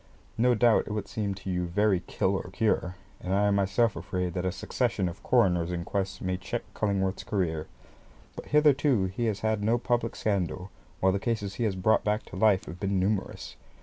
No doubt it will seem to you very kill or cure, and I am myself afraid that a succession of coroners' inquests may check Cullingworth's career; but hitherto he has had no public scandal, while the cases which he has brought back to life have been numerous.